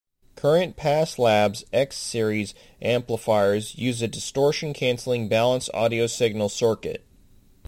Current Pass Labs "X" series amplifiers use a distortion canceling balanced audio signal circuit.